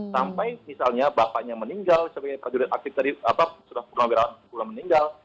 sampai misalnya bapaknya meninggal sebagai penduduk aktif tadi sudah pulang berawat pulang meninggal